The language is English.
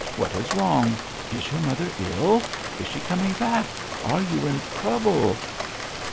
What is wrong? Is your mother ill? Is she coming back? Are you in trouble?'